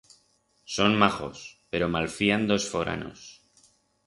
Son majos, pero malfían d'os foranos.